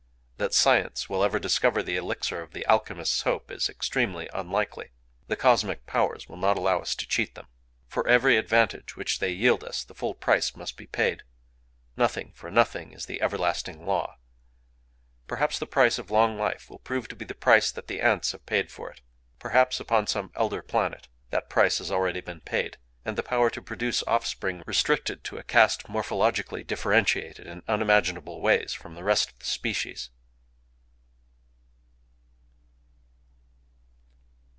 That Science will ever discover the Elixir of the Alchemists' hope is extremely unlikely. The Cosmic Powers will not allow us to cheat them. For every advantage which they yield us the full price must be paid: nothing for nothing is the everlasting law. Perhaps the price of long life will prove to be the price that the ants have paid for it. Perhaps, upon some elder planet, that price has already been paid, and the power to produce offspring restricted to a caste morphologically differentiated, in unimaginable ways, from the rest of the species...